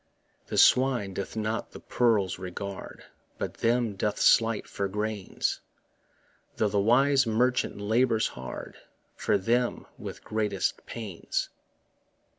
The swine doth not the pearls regard, But them doth slight for grains, Though the wise merchant labours hard For them with greatest pains.